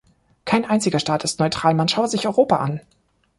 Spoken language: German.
Kein einziger Staat ist neutral, man schaue sich Europa an.